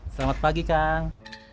selamat pagi kang